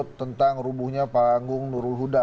untuk tentang rubuhnya panggung nurul huda